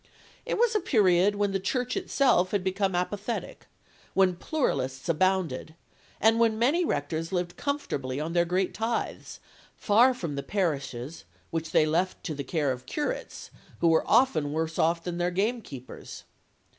It was a period when the Church itself had become apathetic, when pluralists abounded, and when many rectors lived comfortably on their great tithes, far from the parishes which they left to the care of curates who were often worse off than gamekeepers.